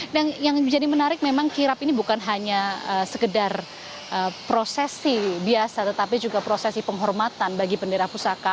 dan yang menjadi menarik memang kirap ini bukan hanya sekedar prosesi biasa tetapi juga prosesi penghormatan bagi bendera pusaka